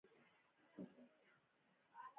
سمندر نه شتون د افغان کلتور سره تړاو لري.